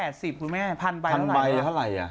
หมดไปแล้ว๘๐คุณแม่พันใบเท่าไหร่หรือเปล่าพันใบเท่าไหร่หรือเปล่า